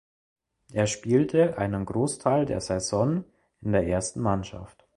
Er spielte einen Grossteil der Saison in der ersten Mannschaft.